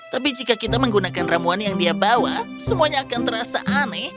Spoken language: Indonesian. tapi jika kita menggunakan ramuan yang dia bawa semuanya akan terasa aneh